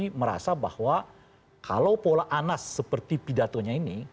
jadi merasa bahwa kalau pola anas seperti pidatonya ini